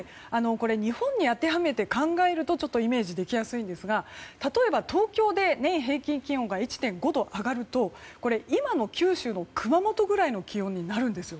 日本に当てはめて考えるとイメージできやすいんですが例えば、東京で年平均気温が１．５度上がると今の九州の熊本くらいの気温になるんです。